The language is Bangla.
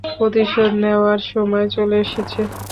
প্রতিশোধ নেওয়ার সময় চলে এসেছে।